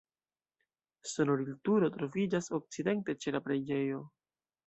Sonorilturo troviĝas okcidente ĉe la preĝejo.